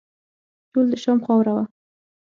ټول د شام خاوره وه.